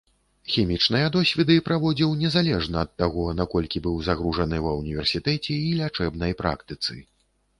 Хімічныя досведы праводзіў незалежна ад таго, наколькі быў загружаны ва ўніверсітэце і лячэбнай практыцы.